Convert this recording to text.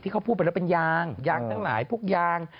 เขาพูดไปแล้วเป็นยางยางตั้งหลายพวกยาง